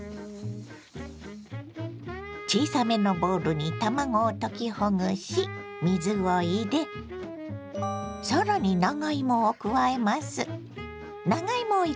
小さめのボウルに卵を溶きほぐし水を入れ更に長芋を加えます。